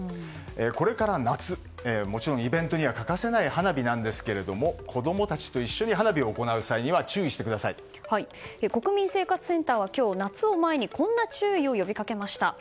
これから夏もちろんイベントには欠かせない花火なんですが子供たちと一緒に花火を行う際には国民生活センターは今日夏を前にこんな注意を呼びかけました。